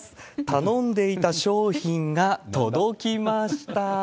頼んでいた商品が届きました。